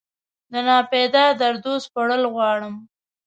دناپیدا دردو سپړل غواړم